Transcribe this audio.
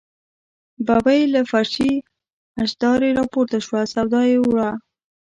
ببۍ له فرشي اشدارې راپورته شوه، سودا یې وه.